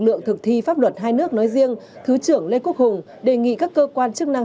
lượng thực thi pháp luật hai nước nói riêng thứ trưởng lê quốc hùng đề nghị các cơ quan chức năng